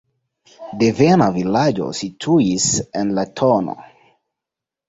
Devena vilaĝo situis en la tn.